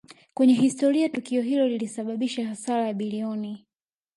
kwenye historia Tukio hilo lilisababisha hasara ya bilioni